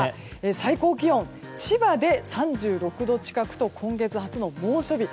最高気温、千葉で３６度近くと今月初の猛暑日。